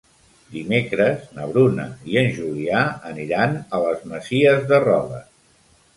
Dimecres na Bruna i en Julià aniran a les Masies de Roda.